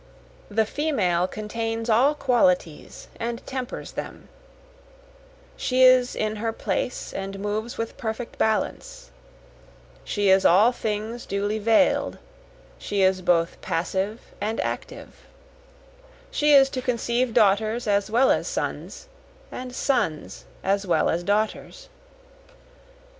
The female contains all qualities and tempers them, She is in her place and moves with perfect balance, She is all things duly veil'd, she is both passive and active, She is to conceive daughters as well as sons, and sons as well as daughters.